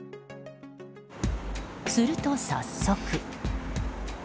すると、早速。